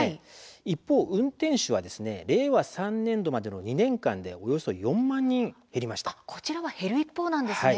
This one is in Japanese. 一方、運転手は令和３年度までの２年間でこちらは減る一方なんですね。